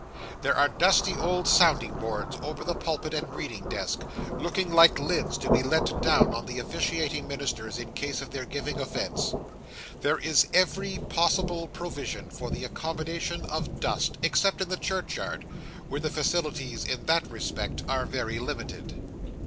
There are dusty old sounding boards over the pulpit and reading desk, looking like lids to be let down on the officiating ministers in case of their giving offence. There is every possible provision for the accommodation of dust, except in the churchyard, where the facilities in that respect are very limited.